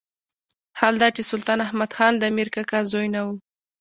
حال دا چې سلطان احمد خان د امیر کاکا زوی نه وو.